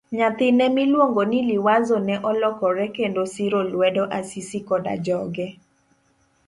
Nyathine miluongo ni Liwazo ne olokre kendo siro lwedo Asisi koda joge.